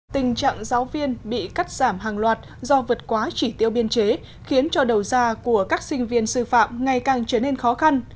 tình trạng giáo viên bị cắt giảm hàng loạt do vượt quá chỉ tiêu biên chế khiến cho đầu ra của các sinh viên sư phạm ngày càng trở nên khó khăn